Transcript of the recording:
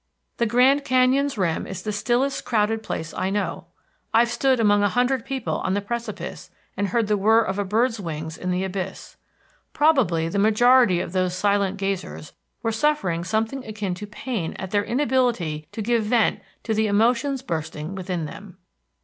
The Grand Canyon's rim is the stillest crowded place I know. I've stood among a hundred people on a precipice and heard the whir of a bird's wings in the abyss. Probably the majority of those silent gazers were suffering something akin to pain at their inability to give vent to the emotions bursting within them.